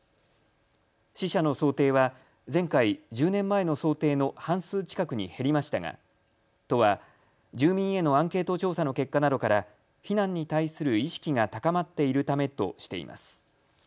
死者の想定は前回、１０年前の想定の半数近くに減りましたが都は住民へのアンケート調査の結果などから避難に対する意識が高まっているためとしています。